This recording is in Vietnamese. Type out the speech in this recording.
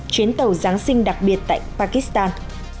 chuyến tàu giáng sinh đặc biệt tại pakistan